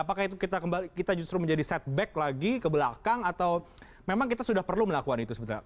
apakah itu kita justru menjadi setback lagi ke belakang atau memang kita sudah perlu melakukan itu sebetulnya